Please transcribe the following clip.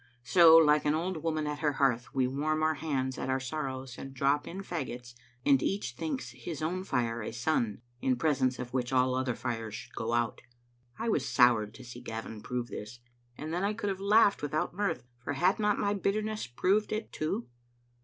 So, like an old woman at her hearth, we warm our hands at our sorrows and drop in faggots, and each thinks his own fire a sun, in presence of which all other fires should go out. I was soured to see Gavin prove this, and then I could have laughed without mirth, for had not my bitterness proved it too?